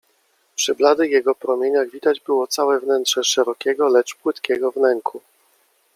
Przy bladych jego promieniach widać było całe wnętrze szerokiego, lecz płytkiego wnęku.